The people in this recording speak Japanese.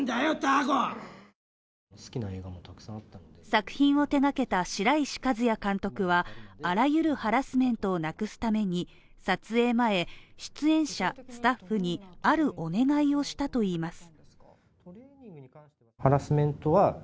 作品を手がけた白石和彌監督はあらゆるハラスメントをなくすために、撮影前、出演者、スタッフにあるお願いをしたといいます